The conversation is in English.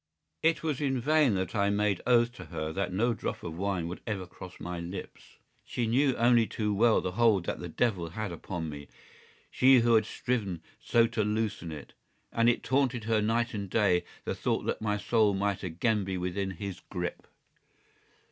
It was in vain that I made oath to her that no drop of wine would ever cross my lips. She knew only too well the hold that the devil had upon me—she who had striven so to loosen it—and it haunted her night and day the thought that my soul might again be within his grip.